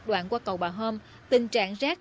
đoạn qua cầu bà hôm tình trạng rác